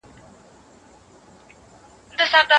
دومره مظلوم یم چي مي آه له ستوني نه راوزي